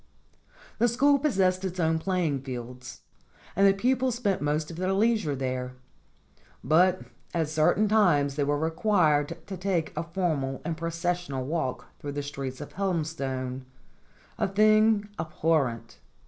The school possessed its own playing fields, and the pupils spent most of their leisure there; but at certain times they were required to take a formal and proces sional walk through the streets of Helmstone a thing abhorrent.